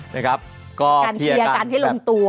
ในการเคลียร์กันให้ลงตัว